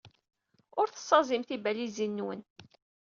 Ur tessaẓyem tibalizin-nwen.